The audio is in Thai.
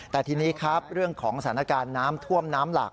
แต่ทีนี้ครับเรื่องของสถานการณ์น้ำท่วมน้ำหลัก